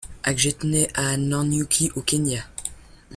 Aggett naît à Nanyuki, au Kenya.